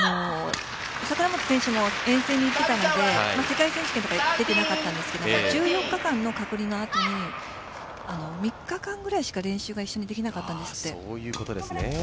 櫻本選手は遠征に行っていたので世界選手権に出てなかったんですが１４日間の隔離の後に３日間くらいしか練習ができなかったんですって。